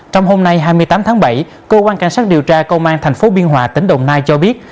trong hôm nay hai mươi tám tháng bảy cơ quan cảnh sát điều tra công an tp biên hòa tỉnh đồng nai cho biết